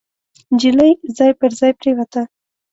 نجلۍ ځای پر ځای پريوته.